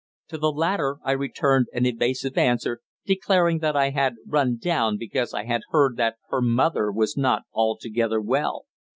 To the latter I returned an evasive answer, declaring that I had run down because I had heard that her mother was not altogether well.